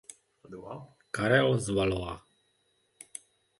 Karel z Valois.